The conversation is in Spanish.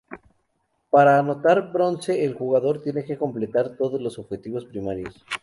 Para anotar bronce el jugador tiene que completar todos los objetivos primarios.